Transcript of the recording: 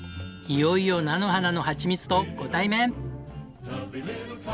いよいよ菜の花のはちみつとご対面。